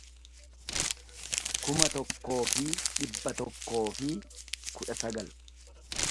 kuma tokkoo fi dhibba tokkoo fi kudha sagal